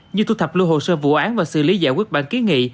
như thu thập lưu hồ sơ vụ án và xử lý giải quyết bản kiến nghị